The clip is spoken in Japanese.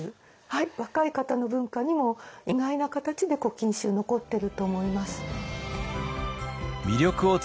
若い方の文化にも意外な形で「古今集」残ってると思います。